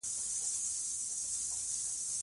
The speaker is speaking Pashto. زه د پوهنتون په جریان کښي نرسينګ هم وايم.